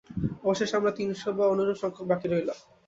অবশেষে আমরা তিনশ বা অনুরূপ সংখ্যক বাকি রইলাম।